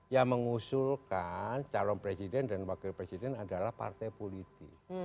yang mengusulkan calon presiden dan wakil presiden adalah partai politik